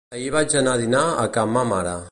Ahir vaig anar a dinar a ca ma mare.